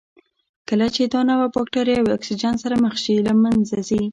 کله چې دا نوعه بکټریاوې اکسیجن سره مخ شي له منځه ځي.